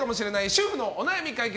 主婦のお悩み解決！